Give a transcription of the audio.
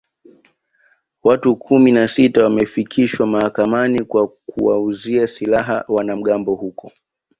Watu kumi na sita wamefikishwa mahakamani kwa kuwauzia silaha wanamgambo huko